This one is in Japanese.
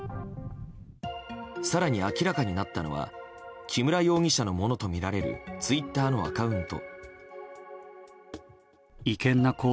更に明らかになったのは木村容疑者のものとみられるツイッターのアカウント。